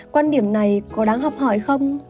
quan điểm này có đáng học hỏi không